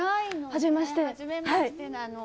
はじめましてなの。